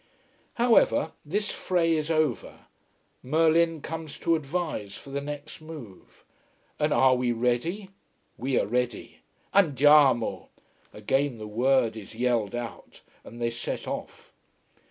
However, this fray is over Merlin comes to advise for the next move. And are we ready? We are ready. Andiamo! Again the word is yelled out, and they set off.